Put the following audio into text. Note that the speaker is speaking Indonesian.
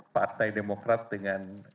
partai demokrat dengan